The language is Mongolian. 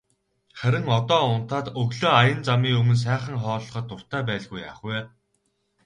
Харин одоо унтаад өглөө аян замын өмнө сайхан хооллоход дуртай байлгүй яах вэ.